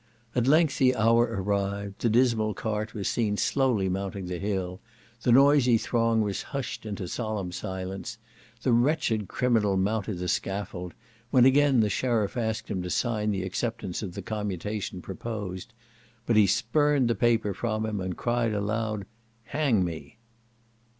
At length the hour arrived, the dismal cart was seen slowly mounting the hill, the noisy throng was hushed into solemn silence; the wretched criminal mounted the scaffold, when again the sheriff asked him to sign his acceptance of the commutation proposed; but he spurned the paper from him, and cried aloud, "Hang me!"